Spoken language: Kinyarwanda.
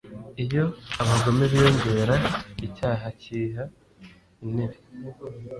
iyo abagome biyongera, icyaha cyiha intebe